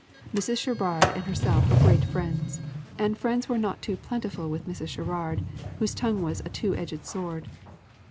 Mrs. Sherrard and herself were great friends and friends were not too plentiful with Mrs. Sherrard, whose tongue was a two edged sword.